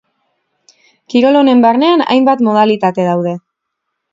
Kirol honen barnean hainbat modalitate daude.